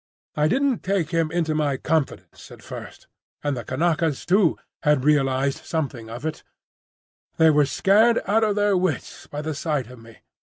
I didn't take him completely into my confidence at first. And the Kanakas too, had realised something of it. They were scared out of their wits by the sight of me.